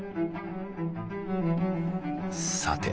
さて